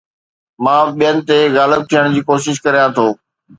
مان ٻين تي غالب ٿيڻ جي ڪوشش ڪريان ٿو